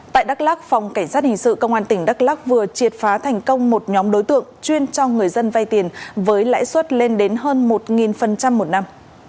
tại đắk lắc phòng cảnh sát hình sự công an tỉnh đắk lắc vừa triệt phá thành công một nhóm đối tượng chuyên cho người dân vay tiền với lãi suất lên đến hơn một một năm